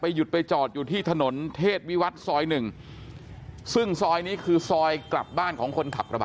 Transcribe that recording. หยุดไปจอดอยู่ที่ถนนเทศวิวัตรซอยหนึ่งซึ่งซอยนี้คือซอยกลับบ้านของคนขับกระบะ